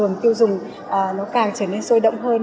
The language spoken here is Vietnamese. nó càng trở nên sôi động hơn